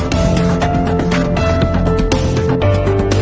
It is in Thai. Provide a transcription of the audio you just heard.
รักษาระกับพวกแก